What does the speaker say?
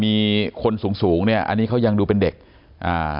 มีคนสูงสูงเนี้ยอันนี้เขายังดูเป็นเด็กอ่า